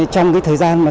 trong thời gian này